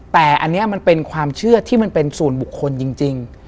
แต่อันนี้มันเป็นความเชื่อที่มันเป็นส่วนบุคคลจริง